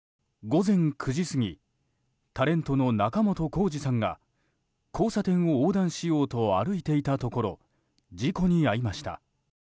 午前９時過ぎタレントの仲本工事さんが交差点を横断しようと歩いていたところ事故に遭いました。